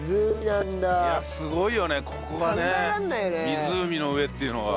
湖の上っていうのが。